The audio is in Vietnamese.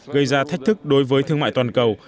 gây ra thách thức đối với thương mại toàn cầu